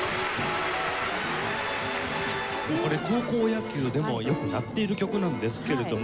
これ高校野球でもよくやっている曲なんですけれども。